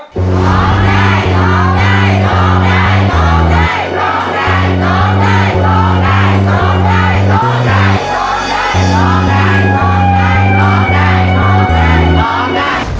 ร้องได้ร้องได้ร้องได้ร้องได้ร้องได้ร้องได้